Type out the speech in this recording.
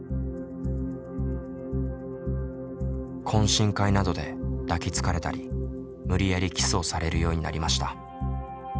懇親会などで抱きつかれたり無理やりキスをされるようになりました。